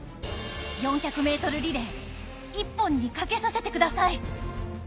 ４００ｍリレー一本にかけさせてください。